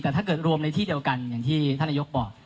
แต่ถ้าเกิดรวมในที่เดียวกันอย่างที่ท่านนายกบอก